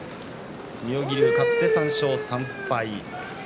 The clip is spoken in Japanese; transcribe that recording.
妙義龍、勝って３勝３敗。